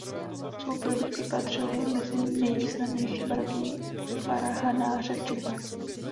Svou produkcí patřili mezi nejvýznamnější barokní varhanáře v Čechách.